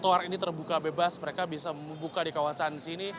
trotoar ini terbuka bebas mereka bisa membuka di kawasan sini